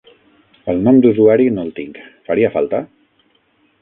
El nom d'usuari no el tinc, faria falta?